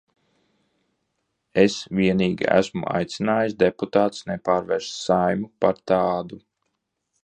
Es vienīgi esmu aicinājis deputātus nepārvērst Saeimu par tādu.